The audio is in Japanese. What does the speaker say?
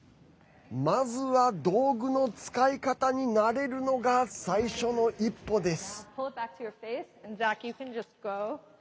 まずは道具の使い方に慣れるのが最初の一歩です。